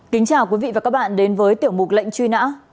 kính chào quý vị và các bạn đến với tiểu mục lệnh truy nã